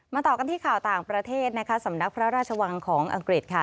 ต่อกันที่ข่าวต่างประเทศนะคะสำนักพระราชวังของอังกฤษค่ะ